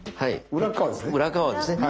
裏側ですね。